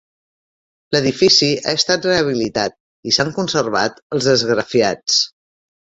L'edifici ha estat rehabilitat i s'han conservat els esgrafiats.